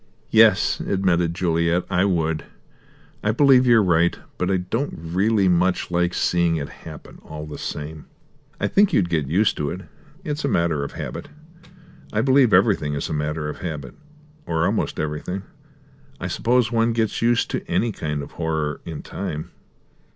"Yes," admitted Juliet, "I would. I believe you're right. But I don't really much like seeing it happen, all the same." "I think you'd get used to it; it's a matter of habit. I believe everything is a matter of habit, or almost everything. I suppose one gets used to any kind of horror in time."